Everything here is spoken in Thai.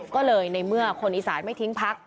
ก็เลยในเมื่อคนอีสานไม่ทิ้งพัก